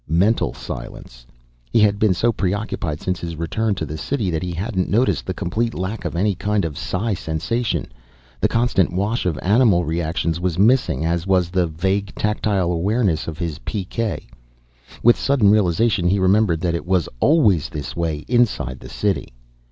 Mental silence. He had been so preoccupied since his return to the city that he hadn't noticed the complete lack of any kind of psi sensation. The constant wash of animal reactions was missing, as was the vague tactile awareness of his PK. With sudden realization he remembered that it was always this way inside the city.